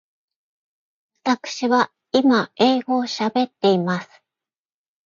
わたくしは今英語を喋っています。